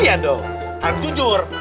iya dong aku jujur